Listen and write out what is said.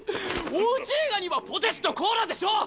おうち映画にはポテチとコーラでしょ！